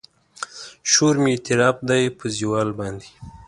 شور مې اعتراف دی په زوال باندې